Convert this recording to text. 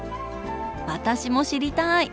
私も知りたい！